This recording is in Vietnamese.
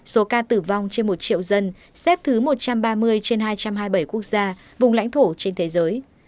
số ca tử vong trên một triệu dân xếp thứ một trăm ba mươi trên hai trăm hai mươi bảy quốc gia vùng lãnh thổ trên thế giới